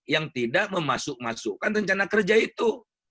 yang tidak memasuk masukan rencana kerja itu